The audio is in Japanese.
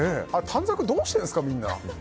短冊、どうしてるんですかみんな。